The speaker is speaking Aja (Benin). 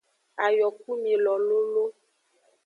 Ayokumilo lolo.